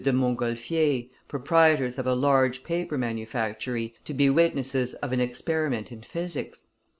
de Montgolfier, proprietors of a large paper manufactory, to be witnesses of an experiment in physics.